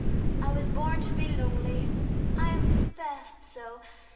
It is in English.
I was born to be lonely, I am best so!"